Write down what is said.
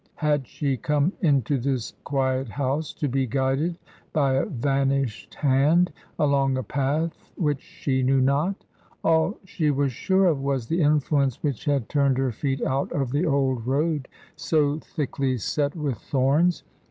Had she come into this quiet house to be guided, by a vanished hand, along a path which she knew not? All she was sure of was the influence which had turned her feet out of the old road, so thickly set with thorns.